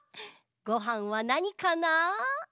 ごはんはなにかな？